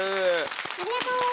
ありがと。